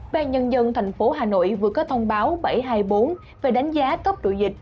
bàn nhân dân thành phố hà nội vừa có thông báo bảy trăm hai mươi bốn về đánh giá cấp độ dịch